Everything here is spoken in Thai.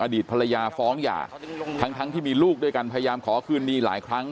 อดีตภรรยาฟ้องหย่าทั้งที่มีลูกด้วยกันพยายามขอคืนดีหลายครั้ง